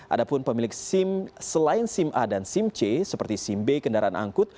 ada pun pemilik sim selain sim a dan sim c seperti sim b kendaraan angkut